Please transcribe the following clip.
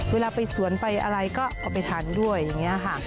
เวลาไปสวนไปอะไรก็เอาไปทานด้วยอย่างนี้ค่ะ